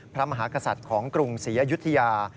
พระมหากษัตริย์ของกรุงศรีอยุธยา